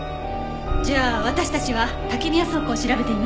じゃあ私たちは竹宮倉庫を調べてみましょう。